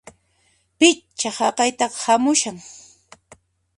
Pichá haqayta hamushan!